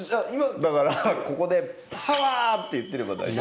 だから、ここでパワー！って言ってれば大丈夫。